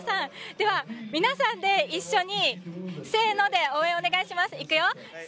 では、皆さんで一緒にせーので応援をお願いします。